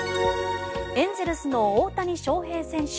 エンゼルスの大谷翔平選手